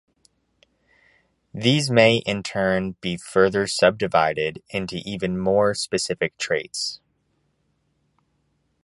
These may in turn be further subdivided into even more specific traits.